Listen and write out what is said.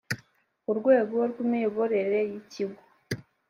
urwego rw’imiyoborere y’ikigo